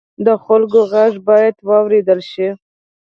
د خلکو غږ باید واورېدل شي.